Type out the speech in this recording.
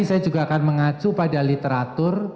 saya juga akan mengacu pada literatur